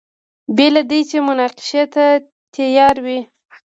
بې له دې چې مناقشې ته تیار وي.